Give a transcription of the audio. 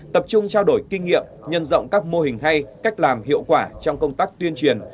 tập trung trao đổi kinh nghiệm nhân rộng các mô hình hay cách làm hiệu quả trong công tác tuyên truyền